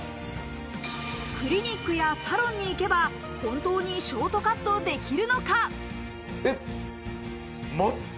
クリニックやサロンに行けば本当にショートカットできるのか？